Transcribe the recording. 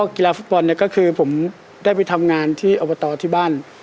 กีฬาฟุตบอลเนี่ยก็คือผมได้ไปทำงานที่อบตที่บ้าน